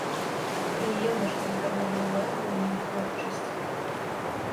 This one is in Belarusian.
Прыемна, што звярнулі ўвагу на маю творчасць.